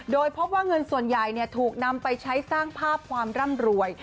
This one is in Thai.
โดยพบว่าเงินส่วนใหญ่ถูกนำไปใช้สร้างภาพความร่ำรวย